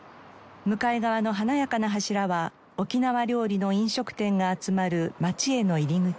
向かい側の華やかな柱は沖縄料理の飲食店が集まる街への入り口。